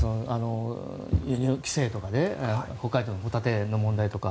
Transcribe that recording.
輸入規制とか北海道のホタテの問題とか。